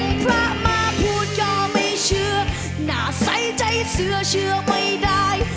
พระมาพูดก็ไม่เชื่อน่าใส่ใจเสื้อเชื่อไม่ได้